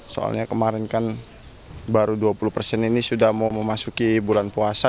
soalnya kemarin kan baru dua puluh persen ini sudah mau memasuki bulan puasa